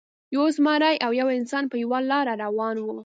یو زمری او یو انسان په یوه لاره روان وو.